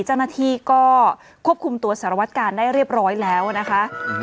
เจ้าหน้าที่ก็ควบคุมตัวสารวัตกาลได้เรียบร้อยแล้วนะคะ